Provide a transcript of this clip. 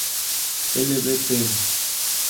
L V.p.